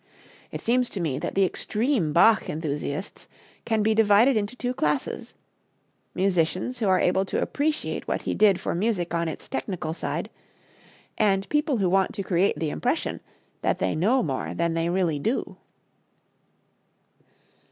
It seems to me that the extreme Bach enthusiasts can be divided into two classes musicians who are able to appreciate what he did for music on its technical side, and people who want to create the impression that they know more than they really do.